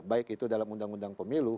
baik itu dalam undang undang pemilu